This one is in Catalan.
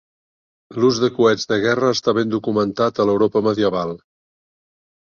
L'ús de coets de guerra està ben documentat a l'Europa medieval.